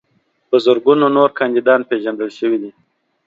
په زرګونو نور کاندیدان پیژندل شوي دي.